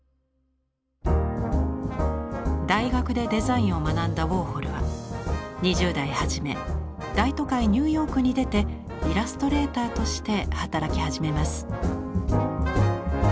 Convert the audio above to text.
大学でデザインを学んだウォーホルは２０代初め大都会ニューヨークに出てイラストレーターとして働き始めます。